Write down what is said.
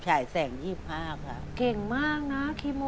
ฉายแสง๒๕ค่ะเก่งมากนะคีโม